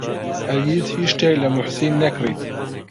هەرگیز هیچ شتێک لە موحسین نەکڕیت.